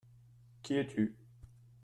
Qui es-tu ?